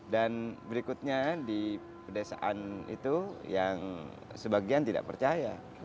dan berikutnya di pedesaan itu yang sebagian tidak percaya